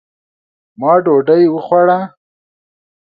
ما ډوډۍ وخوړه